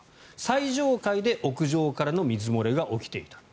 最上階で屋上からの水漏れが起きていた。